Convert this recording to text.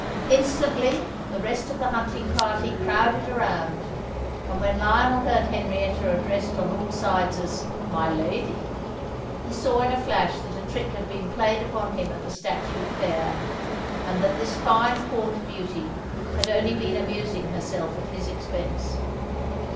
Instantly the rest of the hunting party crowded around, and when Lionel heard Henrietta addressed on all sides as "My Lady," he saw in a flash that a trick had been played upon him at the statute fair, and that this fine Court beauty had only been amusing herself at his expense.